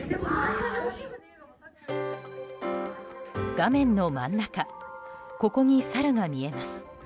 画面の真ん中ここにサルが見えます。